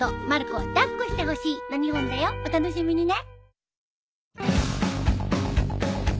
お楽しみにね。